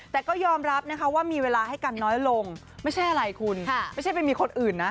แต่ก็ยอมรับนะคะว่ามีเวลาให้กันน้อยลงไม่ใช่อะไรคุณไม่ใช่ไปมีคนอื่นนะ